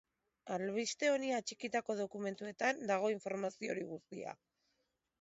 Albiste honi atxikitako dokumentuetan dago informazio hori guztia.